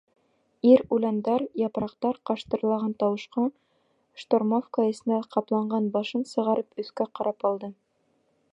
Ир үләндәр, япраҡтар ҡыштырлаған тауышҡа, штормовка эсенән ҡапланған башын сығарып өҫкә ҡарап алды.